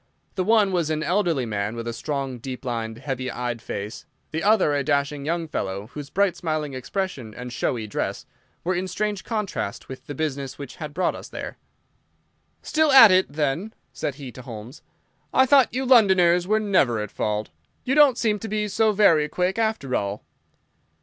The one was an elderly man, with a strong, deep lined, heavy eyed face; the other a dashing young fellow, whose bright, smiling expression and showy dress were in strange contrast with the business which had brought us there. "Still at it, then?" said he to Holmes. "I thought you Londoners were never at fault. You don't seem to be so very quick, after all."